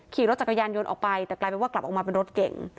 ขี่รถจักรยานยนต์ออกไปแต่กลายเป็นว่ากลับออกมาเป็นรถเก่ง